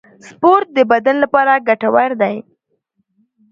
سپورت د بدن لپاره ګټور دی